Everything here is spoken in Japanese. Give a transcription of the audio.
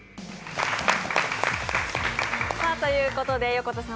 横田さん